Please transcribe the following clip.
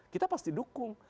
kita pasti dukung